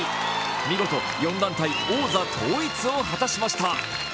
見事、４団体王座統一を果たしました。